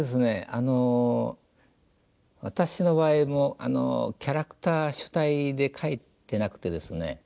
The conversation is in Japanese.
あの私の場合もキャラクター主体で描いてなくてですね